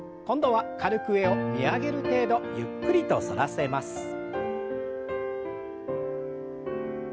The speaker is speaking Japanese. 今度は軽く上を見上げる程度ゆっくりと反らせます。